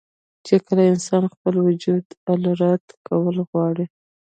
چې کله انسان خپل وجود الرټ کول غواړي